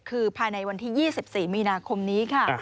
คือภายในวันที่๒๔มีนาคมนี้ค่ะ